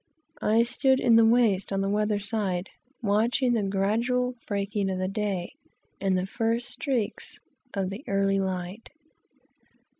I stood in the waist on the weather side, watching the gradual breaking of the day, and the first streaks of the early light.